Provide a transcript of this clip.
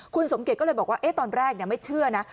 คุณสมเกียจก็เลยบอกว่าตอนแรกไม่เชื่อนะ